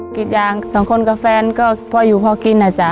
กิจยางสองคนกับแฟนก็พออยู่พอกินนะจ๊ะ